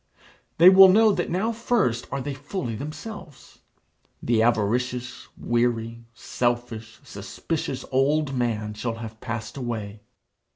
They will know that now first are they fully themselves. The avaricious, weary, selfish, suspicious old man shall have passed away.